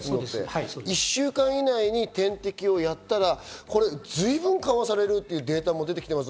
１週間以内に点滴をやったら、随分緩和されるというデータも出てきています。